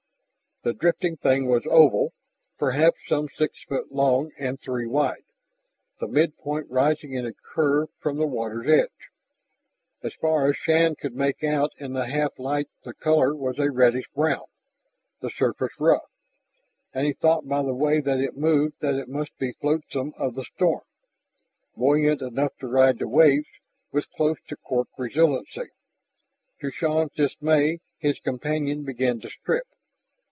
The drifting thing was oval, perhaps some six feet long and three wide, the mid point rising in a curve from the water's edge. As far as Shann could make out in the half light the color was a reddish brown, the surface rough. And he thought by the way that it moved that it must be flotsam of the storm, buoyant enough to ride the waves with close to cork resiliency. To Shann's dismay his companion began to strip.